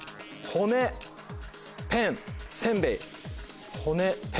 「ほね」「ペン」「せんべい」。